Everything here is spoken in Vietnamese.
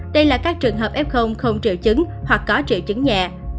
đây là các trường hợp f không triệu chứng hoặc có triệu chứng nhẹ